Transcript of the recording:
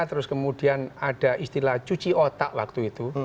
terus kemudian ada istilah cuci otak waktu itu